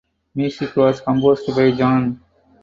Music was composed by John.